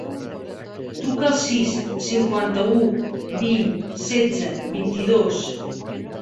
Truca al sis, cinquanta-u, vint, setze, vint-i-dos.